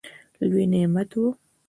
لوی نعمت وو.